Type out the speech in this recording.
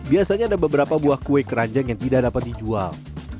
biasanya ada beberapa buah kue keranjang yang tidak dapat dijual